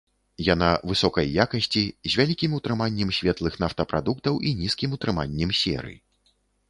Яна высокай якасці, з вялікім утрыманнем светлых нафтапрадуктаў і нізкім утрыманнем серы.